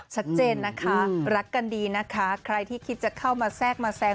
ชัดเจนนะคะรักกันดีนะคะใครที่คิดจะเข้ามาแทรกมาแซง